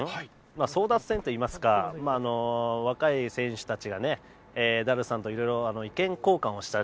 争奪戦といいますか若い選手たちが、ダルさんといろいろ意見交換をしたり